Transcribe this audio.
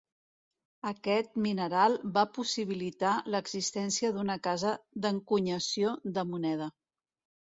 Aquest mineral va possibilitar l'existència d'una casa d'encunyació de moneda.